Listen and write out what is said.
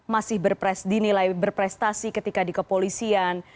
masih dinilai berprestasi ketika di kepolisian